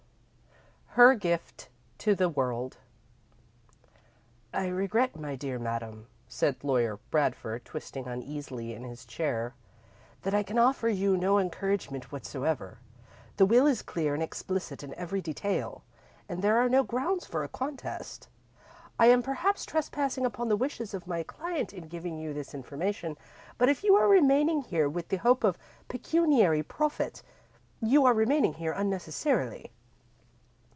XII Her Gift to the World "I regret, my dear madam," said Lawyer Bradford, twisting uneasily in his chair, "that I can offer you no encouragement whatsoever. The will is clear and explicit in every detail, and there are no grounds for a contest. I am, perhaps, trespassing upon the wishes of my client in giving you this information, but if you are remaining here with the hope of pecuniary profit, you are remaining here unnecessarily."